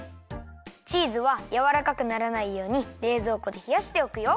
チーズはやわらかくならないようにれいぞうこでひやしておくよ。